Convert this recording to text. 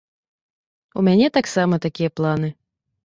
У мяне таксама такія планы.